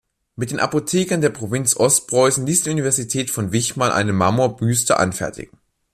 Mit den Apothekern der Provinz Ostpreußen ließ die Universität von Wichmann eine Marmorbüste anfertigen.